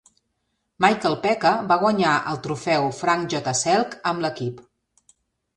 Michael Peca va guanyar el Trofeu Frank J. Selke amb l'equip.